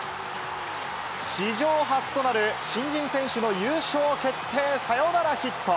史上初となる新人選手の優勝決定サヨナラヒット。